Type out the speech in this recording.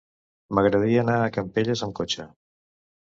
M'agradaria anar a Campelles amb cotxe.